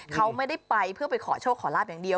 เขาไม่ได้ไปเพื่อไปขอโชคขอลาบอย่างเดียว